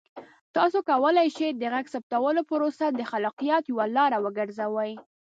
تاسو کولی شئ د غږ ثبتولو پروسه د خلاقیت یوه لاره وګرځوئ.